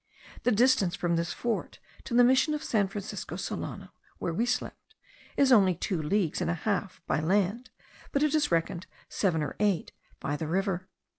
The distance from this fort to the mission of San Francisco Solano, where we slept, is only two leagues and a half by land, but it is reckoned seven or eight by the river.